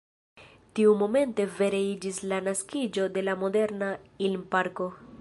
Tiumomente vere iĝis la naskiĝo de la moderna Ilm-parko.